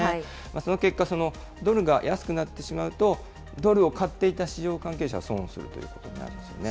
その結果、ドルが安くなってしまうと、ドルを買っていた市場関係者は損をするということになるんですね。